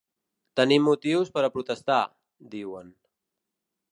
Tenim motius per a protestar, diuen.